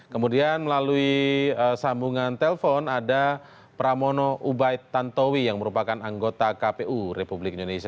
kemudian melalui sambungan telpon ada pramono ubaid tantowi yang merupakan anggota kpu republik indonesia